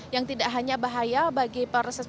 yang tidak hanya bahaya bagi proses perjalanan